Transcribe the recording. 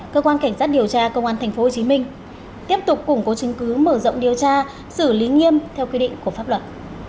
cơ quan cảnh sát điều tra công an tp hcm tiếp tục củng cố chứng cứ mở rộng điều tra xử lý nghiêm theo quy định của pháp luật